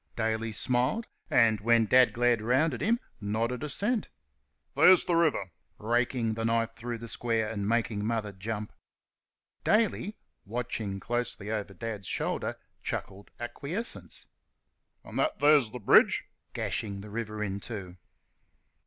Daly smiled and, when Dad glared round at him, nodded assent. "There's th' river!" raking the knife through the square, and making Mother jump. Daly, watching closely over Dad's shoulder, chuckled acquiescence. "An' that 's th' bridge?" gashing the river in two.